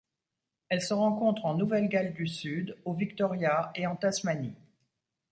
Elle se rencontre en Nouvelle-Galles du Sud, au Victoria et en Tasmanie.